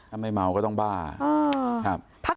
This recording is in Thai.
ถ้าไม่เมาก็ต้องบ้าอ๋อครับ